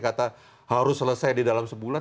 kata harus selesai di dalam sebulan